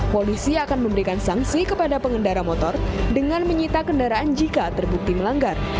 polisi akan memberikan sanksi kepada pengendara motor dengan menyita kendaraan jika terbukti melanggar